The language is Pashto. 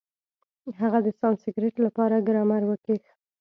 هغه د سانسکرېټ له پاره ګرامر وکېښ.